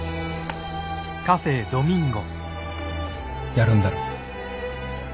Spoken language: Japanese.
やるんだろ？